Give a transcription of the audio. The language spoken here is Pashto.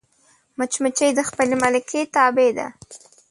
مچمچۍ د خپلې ملکې تابع ده